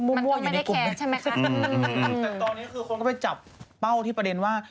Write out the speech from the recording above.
แต่ตอนนี้คือคนก็ไปจับเป้าที่ประเด็นว่า